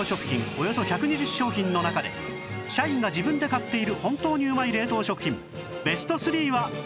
およそ１２０商品の中で社員が自分で買っている本当にうまい冷凍食品ベスト３はなんなのか？